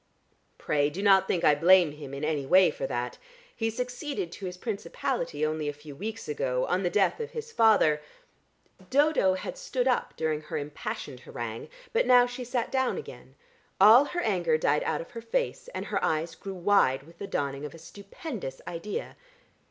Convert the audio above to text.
Pray do not think I blame him in any way for that. He succeeded to his principality only a few weeks ago, on the death of his father " Dodo had stood up during her impassioned harangue, but now she sat down again. All her anger died out of her face, and her eyes grew wide with the dawning of a stupendous idea.